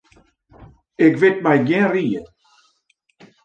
Ik wit my gjin rie.